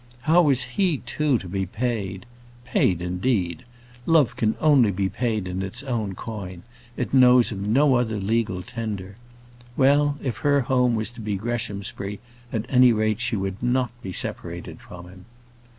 How was he, too, to be paid? Paid, indeed! Love can only be paid in its own coin: it knows of no other legal tender. Well, if her home was to be Greshamsbury, at any rate she would not be separated from him.